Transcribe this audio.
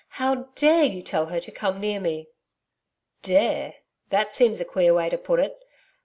How dare you tell her to come near me.' 'Dare! That seems a queer way to put it.